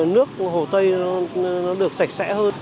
nước hồ tây nó được sạch sẽ hơn